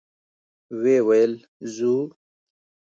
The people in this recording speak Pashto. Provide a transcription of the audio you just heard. ويې ويل: ځو؟